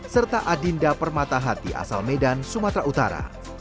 serta adinda permata hati asal medan sumatera utara